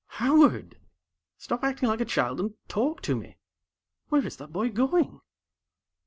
"Howard! Stop acting like a child and talk to me! Where is that boy going?"